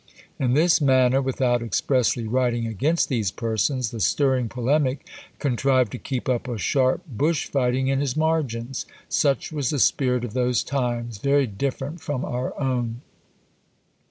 In this manner, without expressly writing against these persons, the stirring polemic contrived to keep up a sharp bush fighting in his margins. Such was the spirit of those times, very different from our own.